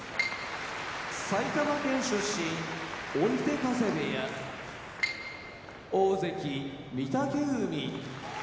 埼玉県出身追手風部屋大関・御嶽海